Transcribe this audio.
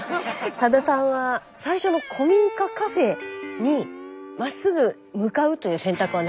さださんは最初の古民家カフェにまっすぐ向かうという選択はなかったんですか？